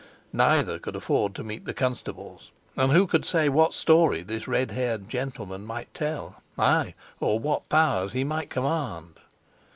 Neither could afford to meet the constables; and who could say what story this red haired gentleman might tell, ay, or what powers he might command?